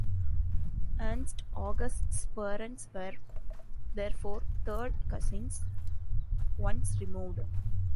Ernst August's parents were, therefore, third cousins, once removed.